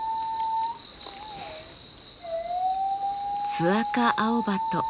ズアカアオバト。